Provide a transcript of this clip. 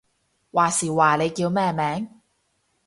話時話，你叫咩名？